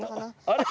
あれ？